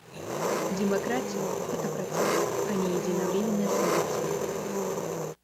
Демократия — это процесс, а не единовременное событие.